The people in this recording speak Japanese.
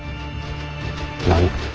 何？